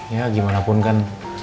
ya gimana pun kan